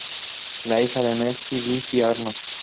Es hija de Mitzi y Dickie Arnold.